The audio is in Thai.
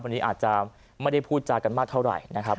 วันนี้อาจจะไม่ได้พูดจากันมากเท่าไหร่นะครับ